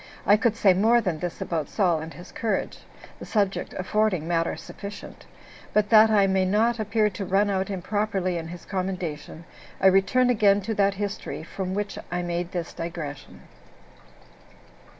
I could say more than this about Saul and his courage, the subject affording matter sufficient; but that I may not appear to run out improperly in his commendation, I return again to that history from which I made this digression.